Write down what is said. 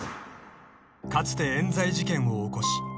［かつて冤罪事件を起こし